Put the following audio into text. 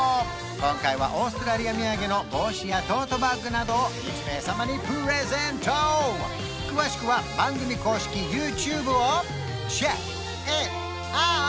今回はオーストラリア土産の帽子やトートバッグなどを１名様にプレゼント詳しくは番組公式ＹｏｕＴｕｂｅをｃｈｅｃｋｉｔｏｕｔ！